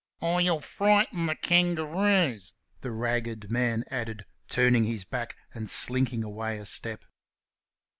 "Or y'll frighten the kangaroos," the ragged man added, turning his back and slinking away a step.